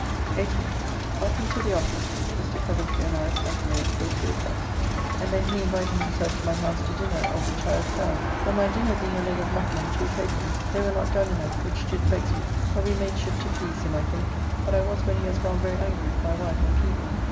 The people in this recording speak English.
18th. Up and to the office, Mr. Coventry and I alone sat till two o'clock, and then he inviting himself to my house to dinner, of which I was proud; but my dinner being a legg of mutton and two capons, they were not done enough, which did vex me; but we made shift to please him, I think; but I was, when he was gone, very angry with my wife and people.